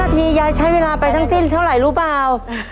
ทียายใช้เวลาไปทั้งสิ้นเท่าไหร่รู้เปล่า